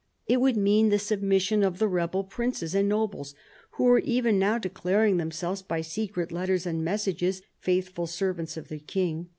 It would mean the submission of the rebel princes and nobles, who were even now declaring themselves, by secret letters and messages, faithful servants of the King.